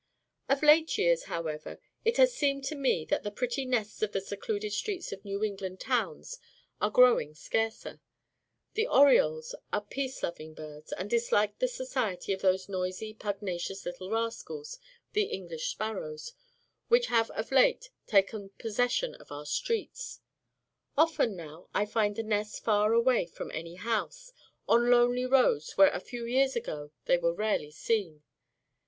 Of late years, however, it has seemed to me that the pretty nests on the secluded streets of New England towns are growing scarcer. The orioles are peace loving birds, and dislike the society of those noisy, pugnacious little rascals, the English sparrows, which have of late taken possession of our streets. Often now I find the nests far away from any house, on lonely roads where a few years ago they were rarely seen.